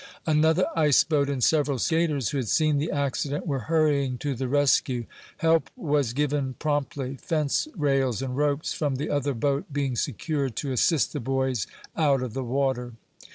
Another ice boat and several skaters who had seen the accident were hurrying to the rescue. Help was given promptly, fence rails and ropes from the other boat being secured to assist the boys out of the water.